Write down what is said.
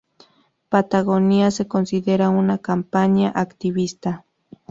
Patagonia se considera una "compañía activista".